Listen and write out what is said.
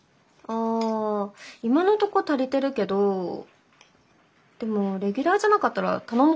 あ今のとこ足りてるけどでもレギュラーじゃなかったら頼もうかな？